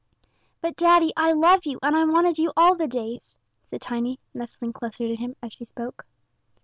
"But, daddy, I love you, and I wanted you all the days," said Tiny, nestling closer to him as she spoke.